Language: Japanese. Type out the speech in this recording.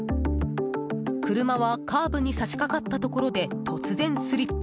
車はカーブに差し掛かったところで突然スリップ。